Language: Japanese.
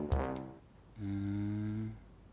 ふん。